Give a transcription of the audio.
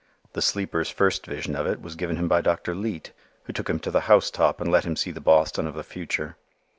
The sleeper's first vision of it was given him by Dr. Leete, who took him to the house top and let him see the Boston of the future.